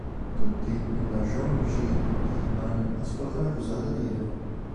Tutti nella Zhong Ji Yi Ban ascoltano cosa ha da dire.